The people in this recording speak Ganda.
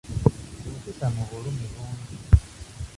Mpita mu bulumi bungi.